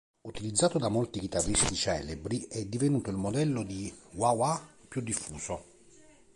Utilizzato da molti chitarristi celebri, è divenuto il modello di wah wah più diffuso.